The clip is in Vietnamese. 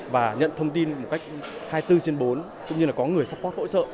và nhận thông tin một cách hai mươi bốn x bốn cũng như là có người support hỗ trợ